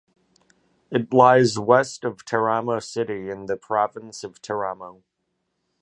It lies west of Teramo city, in the province of Teramo.